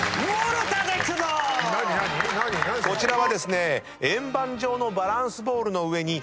こちらはですね。